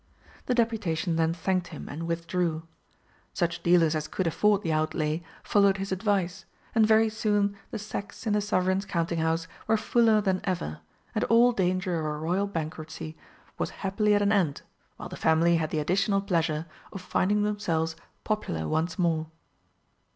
The deputation then thanked him and withdrew. Such dealers as could afford the outlay followed his advice, and very soon the sacks in the Sovereign's Counting house were fuller than ever, and all danger of a Royal bankruptcy was happily at an end, while the Family had the additional pleasure of finding themselves popular once more.